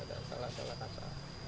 ada salah salah kata